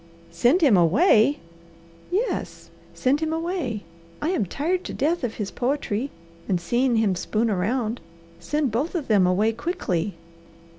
"SEND HIM AWAY?" "Yes, send him away! I am tired to death of his poetry, and seeing him spoon around. Send both of them away quickly!"